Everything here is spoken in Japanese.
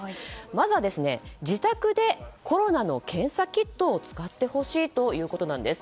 まず自宅でコロナの検査キットを使ってほしいということなんです。